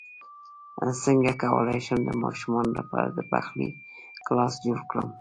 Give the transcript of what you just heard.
څنګه کولی شم د ماشومانو لپاره د پخلی کلاس جوړ کړم